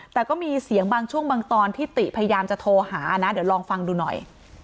แต่ก็มีเสียงบางช่วงบางตอนที่ติพยายามจะโทรหานะเดี๋ยวลองฟังดูหน่อย